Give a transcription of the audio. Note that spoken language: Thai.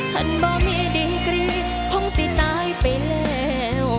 บ่มีดีกรีคงสิตายไปแล้ว